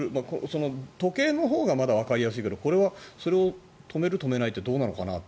時計のほうがまだわかりやすいけどこれはそれを止める止めないってどうなのかなって。